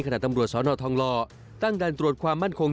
ขณะตำรวจสนทองหล่อตั้งด่านตรวจความมั่นคง